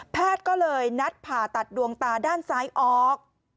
ก็เลยนัดผ่าตัดดวงตาด้านซ้ายออก